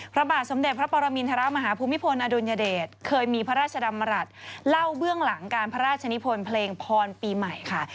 พระบาทสมเด็จพระปรมินทรมาฮภูมิพลอดุลยเดชเคยมีพระราชดำรัฐเล่าเบื้องหลังการพระราชนิพลเพลงพรปีใหม่ค่ะ